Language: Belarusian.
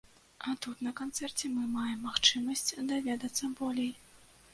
А тут на канцэрце мы маем магчымасць даведацца болей.